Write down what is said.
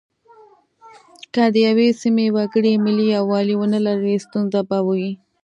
که د یوې سیمې وګړي ملي یووالی ونه لري ستونزه به وي.